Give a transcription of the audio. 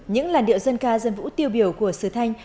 những làn điệu dân ca dân vũ tiêu biểu của sứ thanh